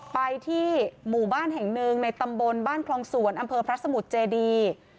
ไปที่หมู่บ้านแห่งหนึ่งในตำบลบ้านคลองสวนอำเภอพระสมุทรเจดี